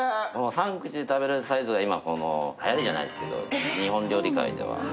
３口で食べられるサイズがはやりじゃないですけど、日本料理界では。